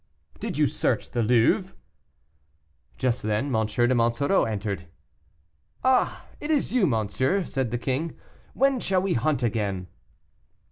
"Did you search the Louvre?" Just then M. de Monsoreau entered. "Ah! it is you, monsieur," said the king; "when shall we hunt again?"